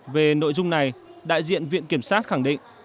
về nội dung này đại diện viện kiểm sát khẳng định